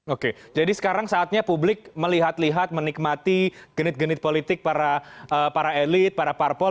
oke jadi sekarang saatnya publik melihat lihat menikmati genit genit politik para elit para parpol